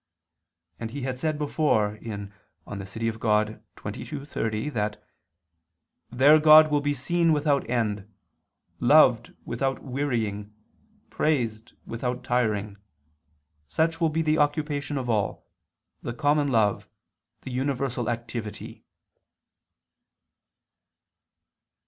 And he had said before (De Civ. Dei xxii, 30) that "there God will be seen without end, loved without wearying, praised without tiring: such will be the occupation of all, the common love, the universal activity."